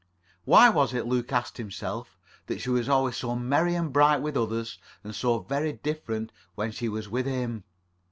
Why was it, Luke asked himself, that she was always so merry and bright with others, and so very different when she was with him?